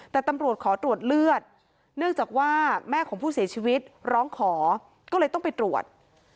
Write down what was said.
แต่ตำรวจขอตรวจเลือดเนื่องจากว่าแม่ของผู้เสียชีวิตร้องขอก็เลยต้องไปตรวจ